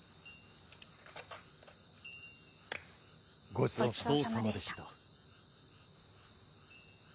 ごちそうさまでした。